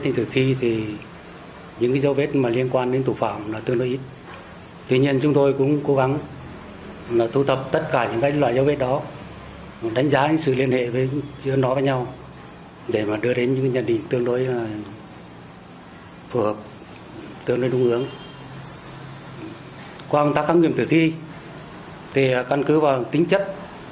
trên cơ sở các dấu vết khác liên quan đến việc nhận dạng đối tượng gây án cũng như động cơ mục đích trong vụ án